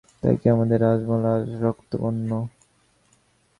তাই কি আমাদের রাজমহল আজ রক্তবর্ণ!